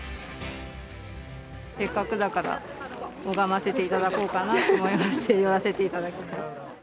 せっかくだから、拝ませていただこうかなと思いまして、寄らせていただきました。